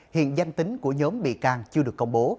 hiện danh tính của nhóm bị can chưa được công bố